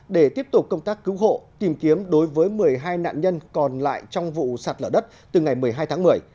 để tiếp tục công tác cứu hộ tìm kiếm đối với một mươi hai nạn nhân còn lại trong vụ sạt lở đất từ ngày một mươi hai tháng một mươi